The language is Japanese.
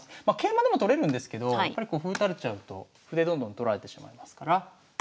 まあ桂馬でも取れるんですけど歩垂れちゃうと歩でどんどん取られてしまいますから。